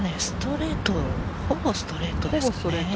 ほぼストレートですかね。